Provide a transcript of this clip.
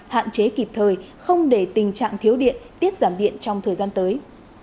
hạn chế kịp thời không để tình trạng thiếu điện tiết giảm điện trong thời gian tới